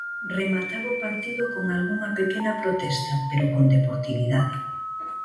Remataba o partido con algunha pequena protesta, pero con deportividade.